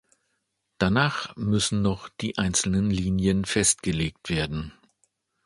Danach müssen noch die einzelnen Linien festgelegt werden.